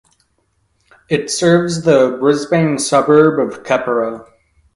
It serves the Brisbane suburb of Keperra.